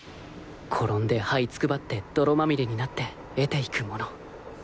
転んで這いつくばって泥まみれになって得ていくもの。